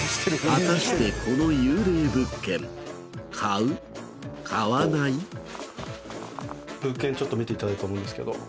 果たしてこの幽霊物件物件ちょっと見ていただいたと思うんですけど。